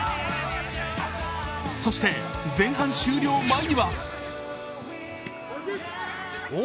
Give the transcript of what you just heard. そして前半終了間際。